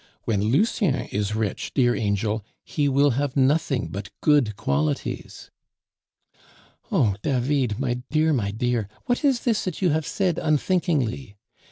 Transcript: When Lucien is rich, dear angel, he will have nothing but good qualities." "Oh! David, my dear, my dear; what is this that you have said unthinkingly?